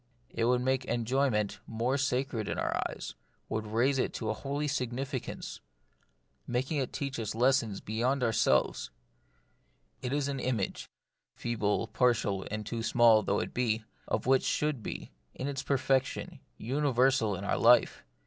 It would make enjoyment more sacred in our eyes, would raise it to a holy significance, making it teach us lessons beyond itself. It is an image — feeble, partial, and too small though it be — of that which should be, in its perfection, universal in our life.